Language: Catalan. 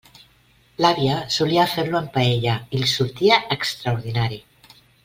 L'àvia solia fer-lo en paella i li sortia extraordinari.